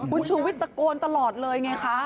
คุณชูวิทยตะโกนตลอดเลยไงคะ